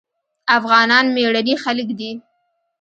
افغانان مېړني خلک دي.